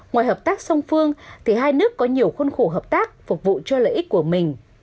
ngoài hợp tác song phương thì hai nước có nhiều khuôn khổ hợp tác phục vụ cho lợi ích của mình